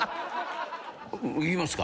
いきますか。